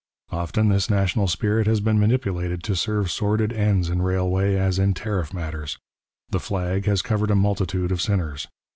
Often this national spirit has been manipulated to serve sordid ends in railway as in tariff matters; the flag has covered a multitude of sinners.